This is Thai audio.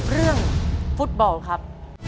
เรื่องฟุตบอลครับ